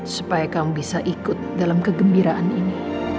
supaya kamu bisa ikut dalam kegembiraan ini